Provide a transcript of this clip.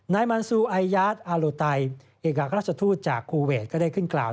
นายมันซูไอยาทอาโลไตเอกราชทูตจากคูเวทก็ได้ขึ้นกล่าว